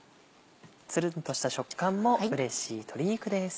ツルンとした食感もうれしい鶏肉です。